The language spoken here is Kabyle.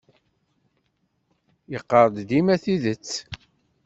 Yeqqar-d dima tidet.